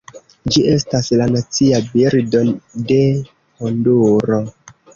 Ĝi estas la nacia birdo de Honduro.